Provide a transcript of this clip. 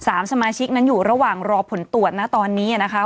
สามสมาชิกนั้นอยู่ระหว่างรอผลตรวจนะตอนนี้นะคะ